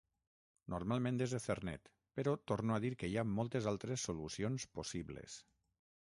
Normalment és Ethernet, però torno a dir que hi ha moltes altres solucions possibles.